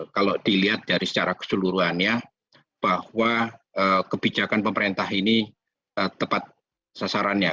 kalau dilihat dari secara keseluruhannya bahwa kebijakan pemerintah ini tepat sasarannya